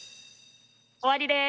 終わりです。